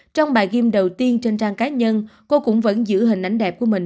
trong bài game đầu tiên trên trang cá nhân cô cũng vẫn giữ hình ảnh đẹp của mình